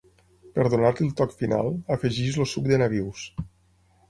Per donar-li el toc final, afegeix el suc de nabius.